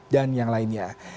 dan yang lainnya